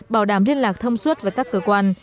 bảo đảm liên lạc thông suốt với các cơ quan